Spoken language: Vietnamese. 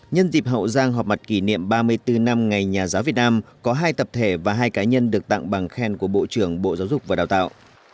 nhân dịp hậu giang họp mặt kỷ niệm ba mươi bốn năm ngày nhà giáo việt nam có hai tập thể và hai cá nhân được tặng bằng khen của bộ trưởng bộ giáo dục và đào tạo